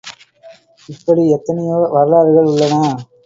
இப்படி எத்தனையோ வரலாறுகள் உள்ளன.